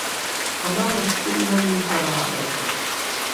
انا له ښکلي نظم سره عادت ده